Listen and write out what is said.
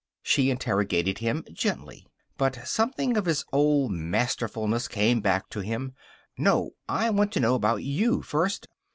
She interrogated him gently. But something of his old masterfulness came back to him. "No, I want to know about you first.